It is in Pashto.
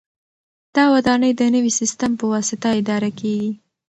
دا ودانۍ د نوي سیسټم په واسطه اداره کیږي.